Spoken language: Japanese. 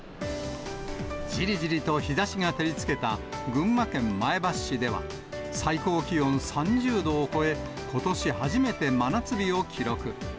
じりじりと日ざしが照りつけた群馬県前橋市では、最高気温３０度を超え、ことし初めて真夏日を記録。